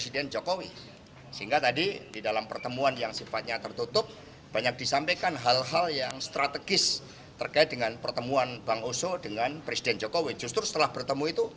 dan pdip untuk memenangkan ganjar dalam pilpres dua ribu dua puluh empat